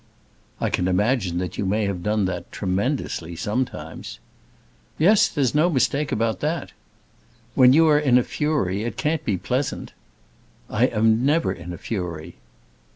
"I can imagine that you may have done that tremendously, sometimes." "Yes, there's no mistake about that." "When you are in a fury it can't be pleasant." "I am never in a fury."